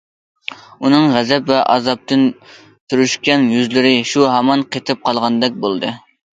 ئۇنىڭ غەزەپ ۋە ئازابتىن پۈرۈشكەن يۈزلىرى شۇ ھامان قېتىپ قالغاندەك بولدى.